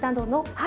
はい。